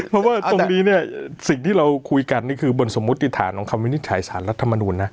เพราะว่าตรงนี้เนี่ยสิ่งที่เราคุยกันนี่คือบนสมมุติฐานของคำวินิจฉัยสารรัฐมนูลนะ